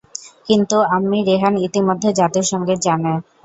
কিন্তু আম্মি রেহান ইতিমধ্যে জাতীয় সংগীত জানে।